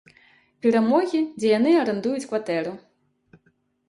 Перамогі, дзе яны арандуюць кватэру.